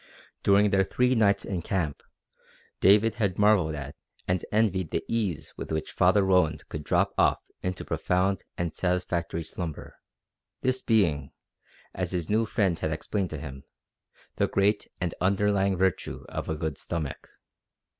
During their three nights in camp David had marvelled at and envied the ease with which Father Roland could drop off into profound and satisfactory slumber, this being, as his new friend had explained to him, the great and underlying virtue of a good stomach.